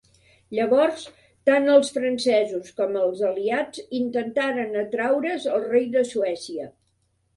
Llavors, tant els francesos com els aliats intentaren atraure's el rei de Suècia.